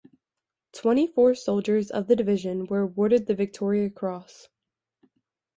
Twenty-four soldiers of the division were awarded the Victoria Cross.